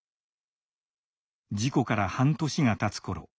事故から半年がたつ頃。